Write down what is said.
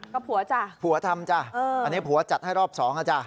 ก็ผัวจ้ะผัวทำจ้ะอันนี้ผัวจัดให้รอบสองอ่ะจ้ะ